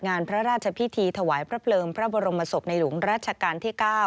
งานพระราชพิธีถวายพระเพลิงพระบรมศพในหลวงรัชกาลที่๙